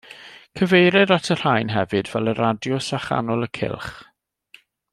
Cyfeirir at y rhain hefyd fel y radiws a chanol y cylch.